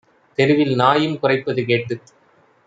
தெருவில் நாயும் குரைப்பது கேட்டுத்